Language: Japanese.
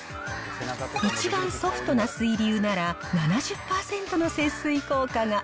一番ソフトな水流なら、７０％の節水効果が。